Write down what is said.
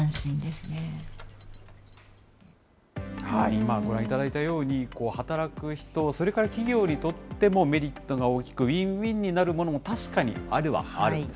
今ご覧いただいたように、働く人、それから企業にとってもメリットが大きく、ウインウインになるものも確かにあるはあるんです。